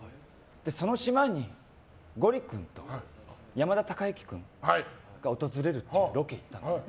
その島にゴリ君と山田孝之君が訪れるっていうロケに行ったの。